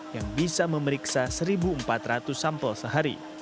yang bisa memeriksa satu empat ratus sampel sehari